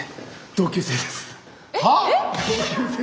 同級生です。